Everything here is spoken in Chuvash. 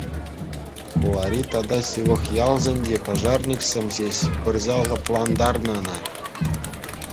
Хулари тата ҫывӑх ялсенчи пожарниксем ҫеҫ пырса лӑплантарнӑ ӑна.